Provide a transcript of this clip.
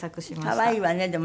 可愛いわねでも。